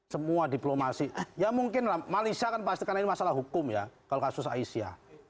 semua diplomasi ya mungkin lah malaysia kan pasti karena ini masalah hukum ya kalau kasus aisyah